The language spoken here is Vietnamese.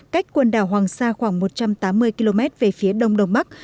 cách quần đảo hoàng sa khoảng một trăm tám mươi km về phía đông đông bắc